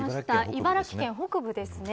茨城県北部ですね。